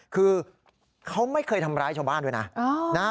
คือเขาไม่เคยทำร้ายชาวบ้านด้วยนะ